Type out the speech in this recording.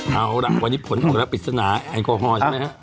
เอาล่ะวันนี้ผลออกและปริศนาแอลกอฮอล์ใช่ไหมฮะ